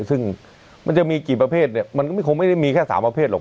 ซึ่งมันจะมีกี่ประเภทเนี่ยมันก็คงไม่ได้มีแค่๓ประเภทหรอก